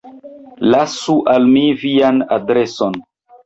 Lasu al mi vian adreson.